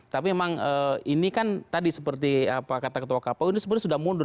tapi memang ini kan tadi seperti kata ketua kpu ini sebenarnya sudah mundur